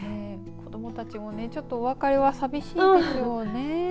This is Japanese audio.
子どもたちもちょっとお別れは寂しいでしょうね。